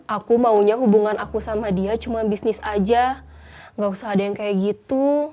aku maunya hubungan aku sama dia cuma bisnis aja gak usah ada yang kayak gitu